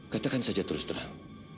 katakan saja terus terang